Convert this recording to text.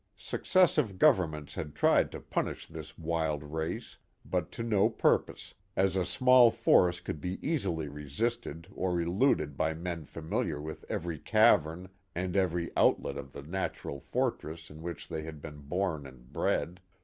Successive governments had tried to punish this wild race, but to no purpose, as a small force could be easily resisted or 234 The Mohawk Valley ^^H eluded by men familiar with every cavern and every outlet bitiK nalural forliess in which they had been born and bred.